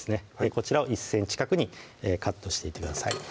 こちらを１ｃｍ角にカットしていってください